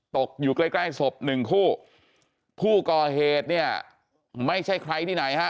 ตกอยู่ใกล้ใกล้ศพหนึ่งคู่ผู้ก่อเหตุเนี่ยไม่ใช่ใครที่ไหนฮะ